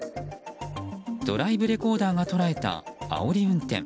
ドライブレコーダーが捉えたあおり運転。